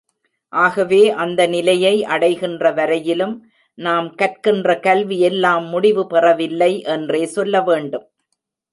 ஆகவே அந்த நிலையை அடைகின்ற வரையிலும் நாம் கற்கின்ற கல்வி எல்லாம் முடிவு பெறவில்லை என்றே சொல்ல வேண்டும்.